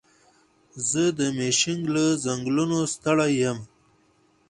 زه د مېشیګن له ځنګلونو ستړی یم.